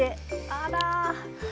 あら！